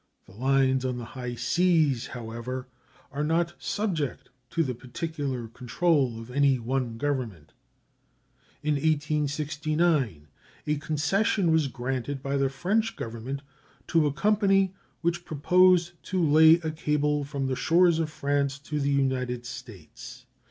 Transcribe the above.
The lines on the high seas, however, are not subject to the particular control of any one government. In 1869 a concession was granted by the French Government to a company which proposed to lay a cable from the shores of France to the United States.